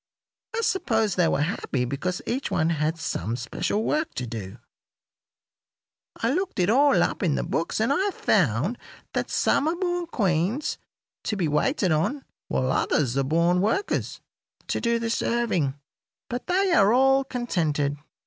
I suppose they were happy because each one had some special work to do. I looked it all up in the books, and I found that some are born queens, to be waited on, while others are born workers, to do the serving. But they are all contented.